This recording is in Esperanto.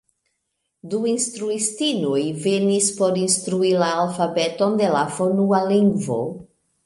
Du instruistinoj venis por instrui la alfabeton de la fonua lingvo.